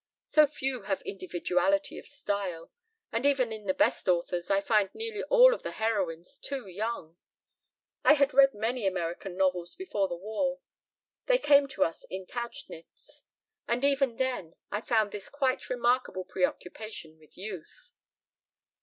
So few have individuality of style. And even in the best authors I find nearly all of the heroines too young. I had read many American novels before the war they came to us in Tauchnitz and even then I found this quite remarkable preoccupation with youth."